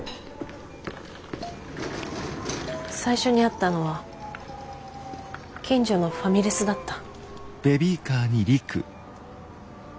最初に会ったのは近所のファミレスだった。